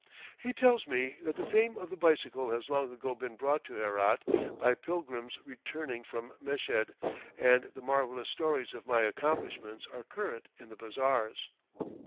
He tells me that the fame of the bicycle has long ago been brought to Herat by pilgrims returning from Meshed, and the marvellous stories of my accomplishments are current in the bazaars.